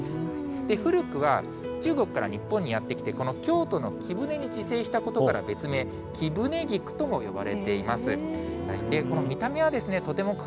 古くは中国から日本にやって来て、この京都の貴船に自生したことから、別名・キブネギクとも呼ばれています。